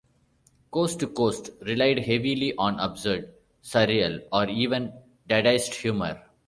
"Coast to Coast" relied heavily on absurd, surreal, or even dadaist humor.